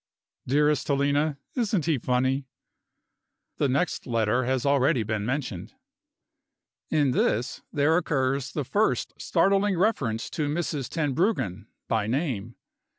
Dearest Helena isn't he funny? The next letter has been already mentioned. In this there occurs the first startling reference to Mrs. Tenbruggen, by name.